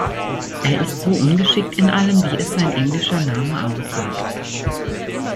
Er ist so ungeschickt in allem, wie es sein englischer Name aussagt.